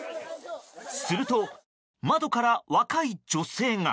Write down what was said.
すると、窓から若い女性が。